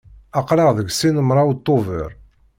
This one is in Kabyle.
Aql-aɣ deg sin mraw Tubeṛ.